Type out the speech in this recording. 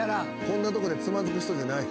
こんなとこでつまずく人じゃない。